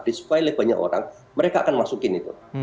disuai banyak orang mereka akan masukin itu